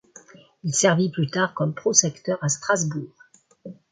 Il servit plus tard comme prosecteur à Strasbourg.